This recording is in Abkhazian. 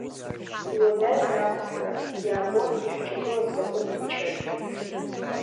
Иуадаҩын ақәԥара, иаабон иаҳҿагылаз закәытә мчыз.